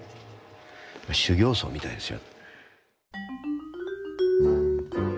修行僧みたいですよ。